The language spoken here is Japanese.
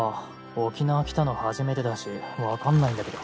沖縄来たの初めてだし分かんないんだけど。